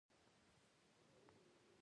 زه هم په ځوانۍ کې د ښکار لپاره راتلم.